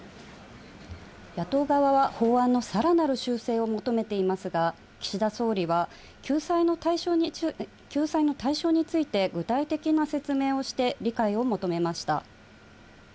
野党側は法案のさらなる修正を求めていますが、岸田総理は、救済の対象について具体的な説明をして理解を求めました。